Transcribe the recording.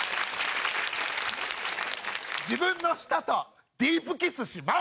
自分の舌とディープキスします！